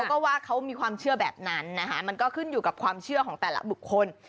ก็ว่าเขามีความเชื่อแบบนั้นนะคะมันก็ขึ้นอยู่กับความเชื่อของแต่ละบุคคล